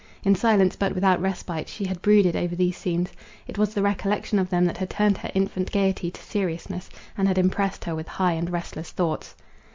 In silence, but without respite, she had brooded over these scenes. It was the recollection of them that had turned her infant gaiety to seriousness, and had impressed her with high and restless thoughts.